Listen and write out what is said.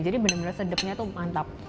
jadi benar benar sedapnya tuh mantap